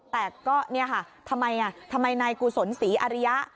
แต่ก็เนี่ยค่ะทำไมนายกุศลศรีอริยะ